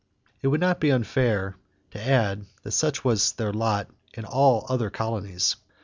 It would not be unfair to add that such was their lot in all other colonies.